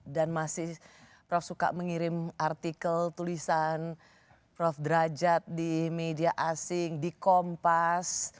dan masih prof suka mengirim artikel tulisan prof sudrajat di media asing di kompas